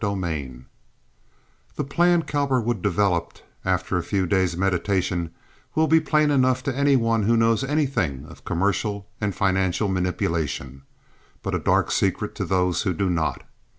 Chapter XV The plan Cowperwood developed after a few days' meditation will be plain enough to any one who knows anything of commercial and financial manipulation, but a dark secret to those who do not.